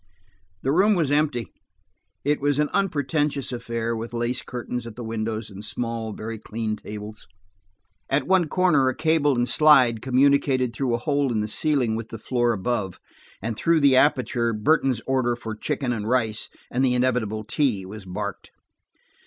The room was empty; it was an unpretentious affair, with lace curtains at the windows and small, very clean tables. At one corner a cable and slide communicated through a hole in the ceiling with the floor above, and through the aperture, Burton's order for chicken and rice, and the inevitable tea, was barked.